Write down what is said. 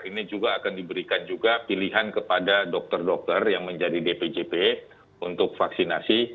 ini juga akan diberikan juga pilihan kepada dokter dokter yang menjadi dpjp untuk vaksinasi